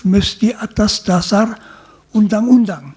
mesti atas dasar undang undang